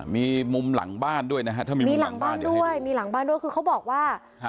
มีมุมหลังบ้านด้วยนะฮะถ้ามีบ้านมีหลังบ้านด้วยมีหลังบ้านด้วยคือเขาบอกว่า